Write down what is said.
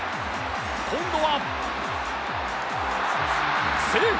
今度は、セーフ！